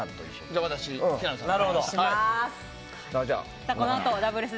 じゃあ、私は平野さんと。